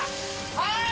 はい！